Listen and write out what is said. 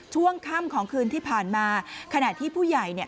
ช่วงค่ำของคืนที่ผ่านมาขณะที่ผู้ใหญ่เนี่ย